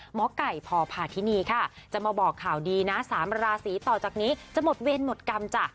หมอไก่พพาธินีค่ะจะมาบอกข่าวดีนะ๓ราศีต่อจากนี้จะหมดเวรหมดกรรมจ้ะ